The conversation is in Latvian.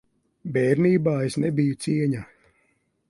Bērnībā es nebiju cieņā.